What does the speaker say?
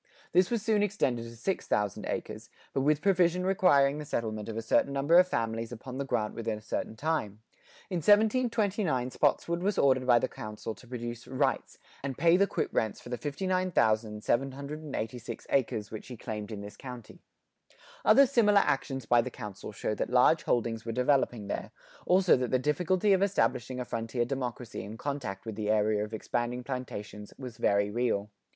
This was soon extended to six thousand acres, but with provision requiring the settlement of a certain number of families upon the grant within a certain time. In 1729 Spotswood was ordered by the Council to produce "rights" and pay the quit rents for the 59,786 acres which he claimed in this county. Other similar actions by the Council show that large holdings were developing there, also that the difficulty of establishing a frontier democracy in contact with the area of expanding plantations, was very real.